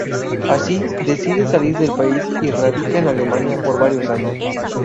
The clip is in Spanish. Así, decide salir del país y radica en Alemania por varios años.